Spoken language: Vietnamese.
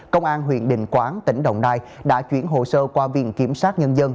công an huyện đình quảng tỉnh đồng nai đã chuyển hồ sơ qua viện kiểm sát nhân dân